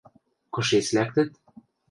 Кышец лӓктӹт?